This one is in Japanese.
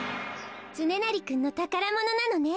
つねなりくんのたからものなのね。